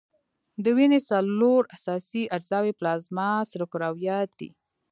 د وینې څلور اساسي اجزاوي پلازما، سره کرویات دي.